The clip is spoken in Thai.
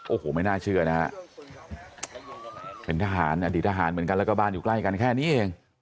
โอ้โหไม่น่าเชื่อนะฮะเป็นทหารอดีตทหารเหมือนกันแล้วก็บ้านอยู่ใกล้กันแค่นี้เอง